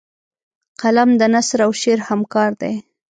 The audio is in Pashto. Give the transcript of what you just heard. قلم د نثر او شعر همکار دی